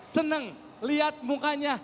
seneng lihat mukanya